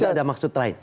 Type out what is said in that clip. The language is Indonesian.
tidak ada maksud lain